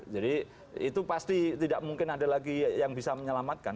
jadi itu pasti tidak mungkin ada lagi yang bisa menyelamatkan